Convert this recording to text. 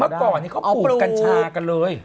เมื่อก่อนนี้เขาปลูกกัญชากันเลย